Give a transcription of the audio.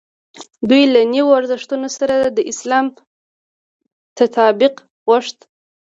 دوی له نویو ارزښتونو سره د اسلام تطابق غوښت.